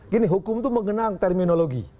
gini hukum itu mengenang terminologi